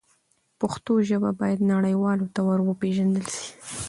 پښتو ژبه باید نړیوالو ته ور وپیژندل سي.